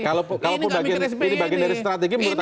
kalaupun ini bagian dari strategi menurut anda